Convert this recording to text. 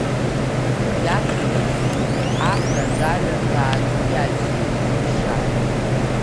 Иашәа рыцуп ахра, аҿаҩа, баа дук иаҩсуеит ихыԥша.